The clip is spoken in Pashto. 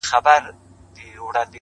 يوه شار ته دې د سرو سونډو زکات ولېږه’